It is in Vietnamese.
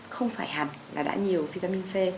không phải hẳn là đã nhiều vitamin c